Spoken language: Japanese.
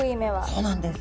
そうなんです。